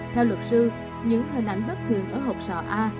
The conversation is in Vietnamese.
theo luật sư những hình ảnh bất thường ở hộp sọ a